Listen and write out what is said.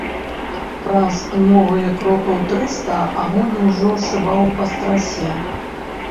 Праз новыя крокаў трыста агонь ужо шыбаў па страсе.